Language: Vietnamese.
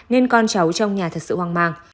nên con cháu trong nhà thật sự hoang mang